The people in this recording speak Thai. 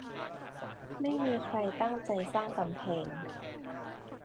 ไม่มีใครตั้งใจสร้างกำแพง